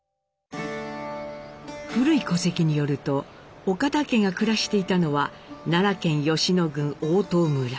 古い戸籍によると岡田家が暮らしていたのは奈良県吉野郡大塔村。